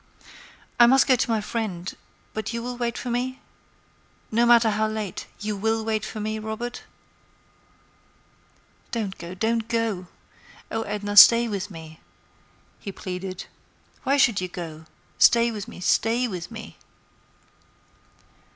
I must go to my friend; but you will wait for me? No matter how late; you will wait for me, Robert?" "Don't go; don't go! Oh! Edna, stay with me," he pleaded. "Why should you go? Stay with me, stay with me."